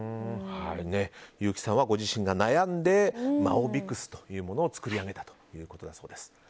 優木さんはご自身が悩んでマオビクスというものを作り上げたということだそうです。